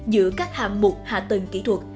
giữa các hạng mục hạ tầng kỹ thuật